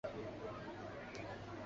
这是该国第十五次参加亚运。